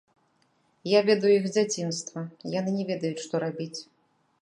Я ведаю іх з дзяцінства, яны не ведаюць, што рабіць.